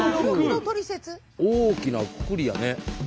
大きなくくりやね。